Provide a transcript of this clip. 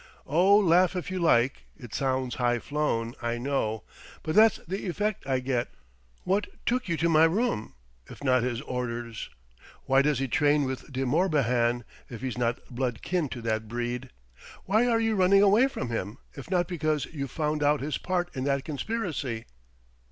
Oh, laugh if you like! It sounds high flown, I know. But that's the effect I get.... What took you to my room, if not his orders? Why does he train with De Morbihan, if he's not blood kin to that breed? Why are you running away from him if not because you've found out his part in that conspiracy?"